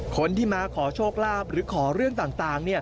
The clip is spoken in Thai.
คนที่มาขอโชคลาภหรือขอเรื่องต่าง